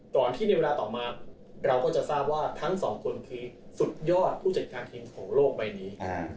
ก่อนที่ในเวลาต่อมาเราก็จะทราบว่าทั้งสองคนคือสุดยอดผู้จัดการทีมของโลกใบนี้